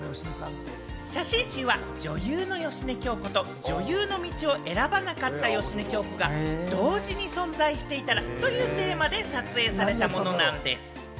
写真集は女優の芳根京子と、女優の道を選ばなかった芳根京子が同時に存在していたらというテーマで撮影されたものなんです。